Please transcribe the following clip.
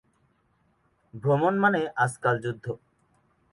- ভ্রমণ মানেই আজকাল যুদ্ধ।